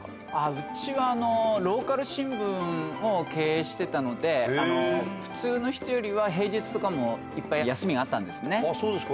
うちはローカル新聞を経営してたので、普通の人よりは、平日とかも、いっぱい休みがあっそうですか。